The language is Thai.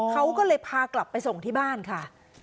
เขาก็เลยพากลับไปส่งที่บ้านค่ะ